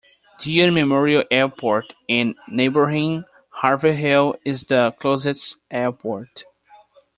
Dean Memorial Airport in neighboring Haverhill is the closest airport.